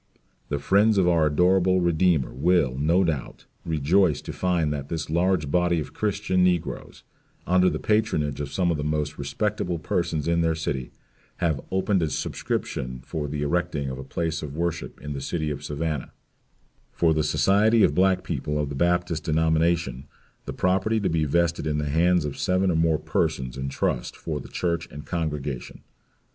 The friends of our adorable Redeemer will, no doubt, rejoice to find that this large body of Christians negroes, under the patronage of some of the most respectable persons in their city, "have opened a subscription for the erecting of a place of worship in the city of Savannah, for the society of black people of the Baptist denomination the property to be vested in the hands of seven or more persons in trust for the church and congregation."